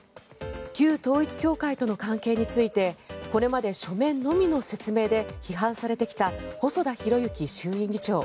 旧統一教会との関係についてこれまで書面のみの説明で批判されてきた細田博之衆院議長。